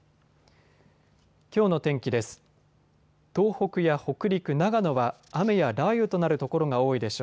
きょうの天気です。